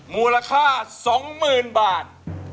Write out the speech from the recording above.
มูลค่า๒๐๐๐บาท